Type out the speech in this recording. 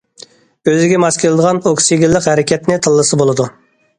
ئۆزىگە ماس كېلىدىغان ئوكسىگېنلىق ھەرىكەتنى تاللىسا بولىدۇ.